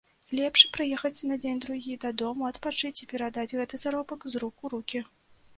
Лепш прыехаць на дзень-другі дадому адпачыць і перадаць гэты заробак з рук у рукі.